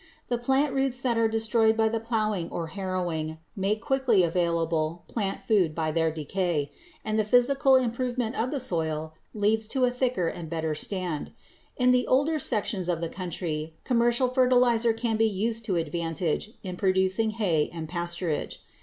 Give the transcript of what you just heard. The plant roots that are destroyed by the plowing or harrowing make quickly available plant food by their decay, and the physical improvement of the soil leads to a thicker and better stand. In the older sections of the country commercial fertilizer can be used to advantage in producing hay and pasturage.